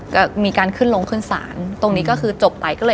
ก็มีการขึ้นลงขึ้นศาลตรงนี้ก็คือจบไปก็เลย